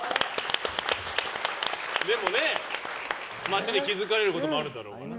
でもね、街で気づかれることもあるだろうから。